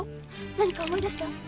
何か思い出した？